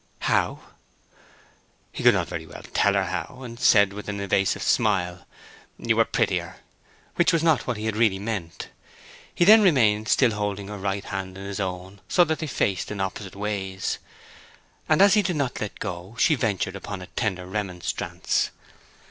"How?" He could not very well tell her how, and said, with an evasive smile, "You are prettier;" which was not what he really had meant. He then remained still holding her right hand in his own right, so that they faced in opposite ways; and as he did not let go, she ventured upon a tender remonstrance.